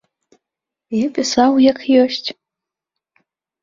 Я пісаў, як ёсць.